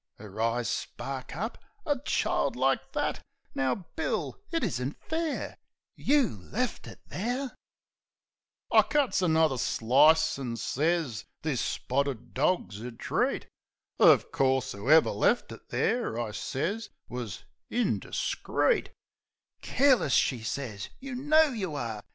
'Er eyes spark up. "A child like that! Now, Bill, it isn't fair! You left it there!" 9 Logic and Spotted Dog I cuts another slice an' sez, "This spotted dog's a treat. Uv course, 'ooever left it there," I sez, u wus indiscreet" "Careless!" she sez. "You know you are!